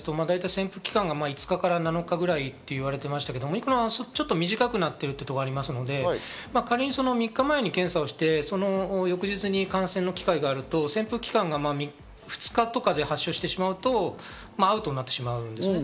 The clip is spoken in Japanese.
従来株ですと潜伏期間が５日から７日ぐらいと言われていましたけど、オミクロンはちょっと短くなっているところがありますので、仮に３日前に検査をして翌日に感染の機会があると潜伏期間が２日とかで発症してしまうとアウトになってしまう。